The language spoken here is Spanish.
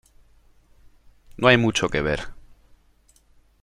No hay mucho que ver.